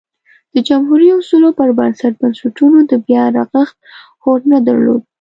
د جمهوري اصولو پر بنسټ بنسټونو د بیا رغښت هوډ نه درلود